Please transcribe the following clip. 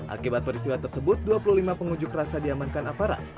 akibat peristiwa tersebut dua puluh lima pengunjuk rasa diamankan aparat